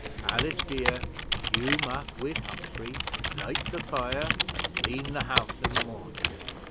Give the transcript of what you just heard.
Alice, dear, you must, with Humphrey, light the fire and clean the house in the morning.